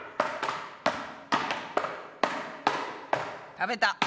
食べた！